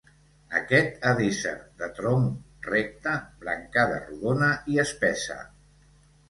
Aquest ha d'ésser de tronc recte, brancada rodona i espessa.